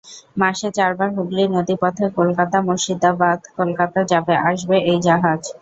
মাসে চারবার হুগলি নদী পথে কলকাতা-মুর্শিদাবাদ-কলকাতা যাবে -আসবে এই জাহাজ।